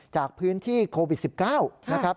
จากพื้นที่โควิด๑๙นะครับ